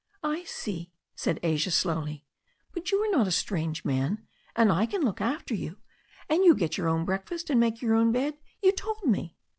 "I see," said Asia slowly. "But you are not a strange man. And I can look after you. And you get your own breakfast, and make your own bed, you told me."